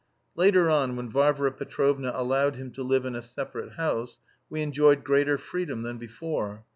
Later on, when Varvara Petrovna allowed him to live in a separate house, we enjoyed greater freedom than before.